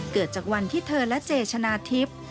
เกิดจากวันที่เธอและเจชนะทิพย์